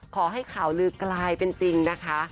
ข่าวลือกลายเป็นจริงนะคะ